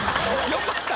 よかった？